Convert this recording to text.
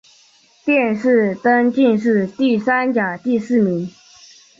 殿试登进士第三甲第四名。